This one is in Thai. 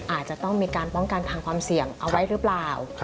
อาจจะต้องมีการป้องกันทางความเสี่ยงเอาไว้หรือเปล่า